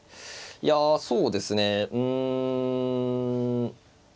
いやそうですねうん。